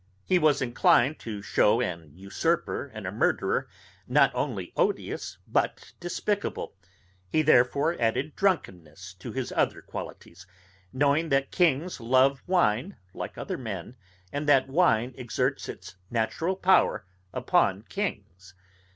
He was inclined to shew an usurper and a murderer not only odious but despicable, he therefore added drunkenness to his other qualities, knowing that kings love wine like other men, and that wine exerts its natural power upon kings.